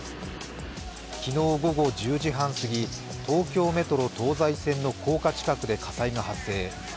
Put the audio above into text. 昨日午後１０時半すぎ、東京メトロ東西線の高架近くで火災が発生。